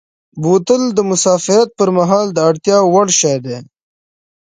بوتل د مسافرت پر مهال د اړتیا وړ شی دی.